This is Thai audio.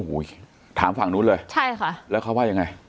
โอ้โหถามฝั่งนู้นเลยใช่ค่ะแล้วเขาว่ายังไง